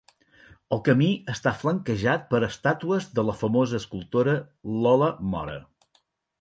El camí està flanquejat per estàtues de la famosa escultora Lola Mora.